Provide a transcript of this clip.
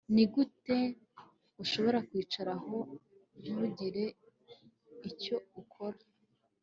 Nigute ushobora kwicara aho ntugire icyo ukora